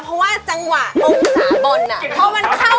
เพราะว่าจังหวะบองประสาบบน